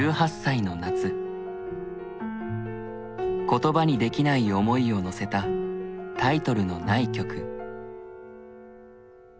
言葉にできない思いをのせたタイトルのない曲。